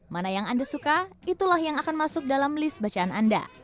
mana yang anda suka itulah yang akan masuk dalam list bacaan anda